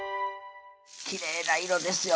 きれいな色ですよね